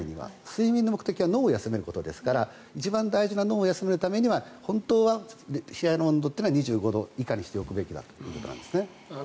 睡眠の目的は脳を休めることですから一番大事な脳を休めるためには本当は部屋の温度というのは２５度以下にしておくべきだということなんです。